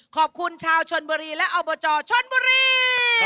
ขอบคุณชาวชนบุรีและอบจชนบุรี